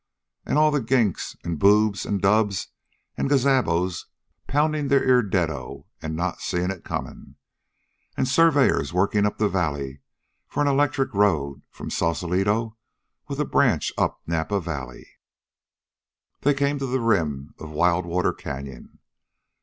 An' all the ginks, an' boobs, an' dubs, an' gazabos poundin' their ear deado an' not seein' it comin. An' surveyors workin' up the valley for an electric road from Sausalito with a branch up Napa Valley." They came to the rim of Wild Water canyon.